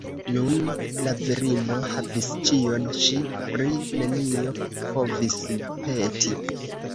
Nun la virino havis ĉion, ŝi pri nenio povis peti.